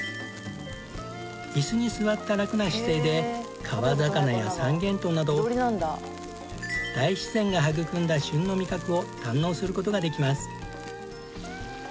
椅子に座ったラクな姿勢で川魚や三元豚など大自然が育んだ旬の味覚を堪能する事ができます。